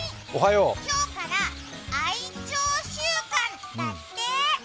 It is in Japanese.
今日から愛鳥週間だって。